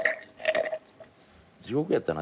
地獄やったな？